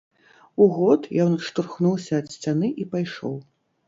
У год ён адштурхнуўся ад сцяны і пайшоў.